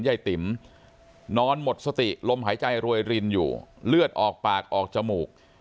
ติ๋มนอนหมดสติลมหายใจรวยรินอยู่เลือดออกปากออกจมูก